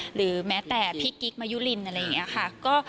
หรือแม้แต่พี่กิ๊กมายุลินอะไรอย่างนี้ค่ะ